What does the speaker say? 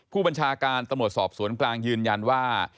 ผู้บัญชาการตำรวจสอบสวนกลางยืนยันว่า